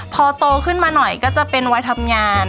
พอโตขึ้นมาหน่อยก็จะเป็นวัยทำงาน